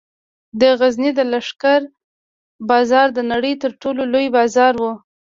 د غزني د لښکر بازار د نړۍ تر ټولو لوی بازار و